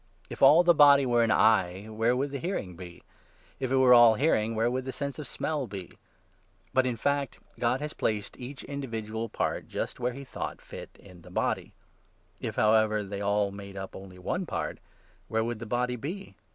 If all the body were an eye, where would the hearing 17 be ? If it were all hearing, where would the sense of smell be ? But in fact God has placed each individual part just where 18 he thought fit in the body. If, however, they all made up 19 only one part, where would the body be